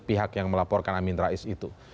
pihak yang melaporkan amin rais itu